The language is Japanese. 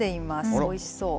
おいしそう。